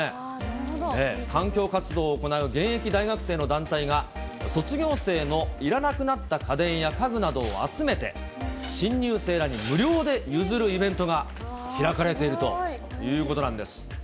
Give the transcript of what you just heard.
環境活動を行う現役大学生の団体が、卒業生のいらなくなった家電や家具などを集めて、新入生らに無料で譲るイベントが開かれているということなんです。